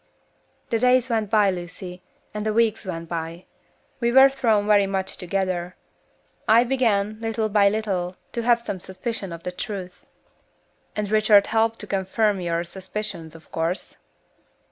"The days went by, Lucy, and the weeks went by. We were thrown very much together. I began, little by little, to have some suspicion of the truth." "And Richard helped to confirm your suspicions, of course?"